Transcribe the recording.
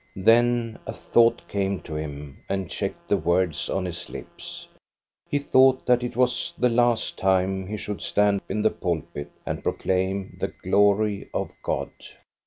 Then a thought came to him and checked the words on his lips. He thought that it was the last time he should stand in the pulpit and proclaim the glory of God.